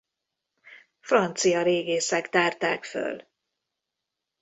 Francia régészek tárták föl.